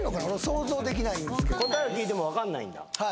想像できないんですけど答えを聞いてもわかんないんだは